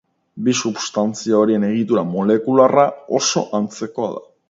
Bi substantzia horien egitura molekularra oso antzekoa da.